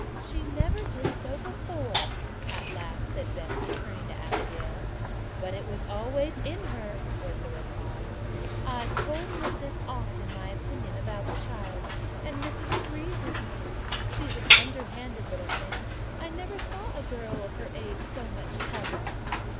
"She never did so before," at last said Bessie, turning to the Abigail. "But it was always in her," was the reply. "I've told Missis often my opinion about the child, and Missis agreed with me. She's an underhand little thing: I never saw a girl of her age with so much cover."